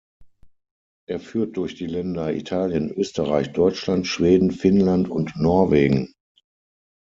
Er führt durch die Länder Italien, Österreich, Deutschland, Schweden, Finnland und Norwegen.